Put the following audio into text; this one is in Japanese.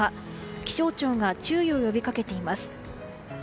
気象庁が注意を呼びかけています。